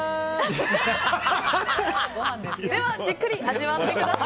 ではじっくり味わってください。